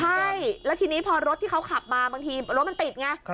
ใช่แล้วทีนี้พอรถที่เขาขับมาบางทีรถมันติดไง